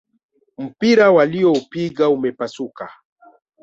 Mpira walioupiga umepasuka.